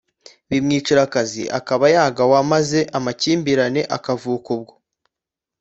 bimwicira akazi akaba yagawa maze amakimbirane akavuka ubwo.